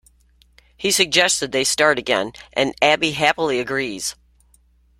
He suggests they start again, and Abby happily agrees.